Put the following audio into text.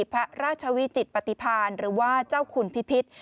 พระราชวิจิตปฏิพาณหรือว่าเจ้าคุณพิพิษ